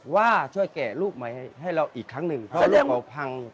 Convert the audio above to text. ว่าช่วยแกะลูกใหม่ให้เราอีกครั้งหนึ่งเพราะลูกเราพัง